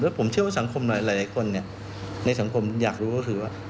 ผมเชื่อว่าสังคมหลายคนในสังคมอยากรู้ก็คือว่า